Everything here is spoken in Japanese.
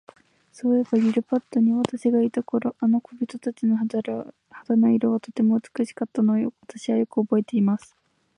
そういえば、リリパットに私がいた頃、あの小人たちの肌の色は、とても美しかったのを、私はよくおぼえています。